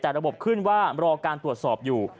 แต่ระบบขึ้นว่ารอการตรวจสอบอยู่